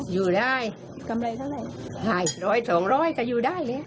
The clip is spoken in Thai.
อยู่เม็ดนี่นี่